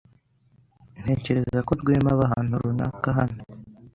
Ntekereza ko Rwema aba ahantu runaka hano.